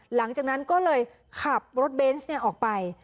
หลังจากนั้นก็เลยขับรถเบนส์ออกไป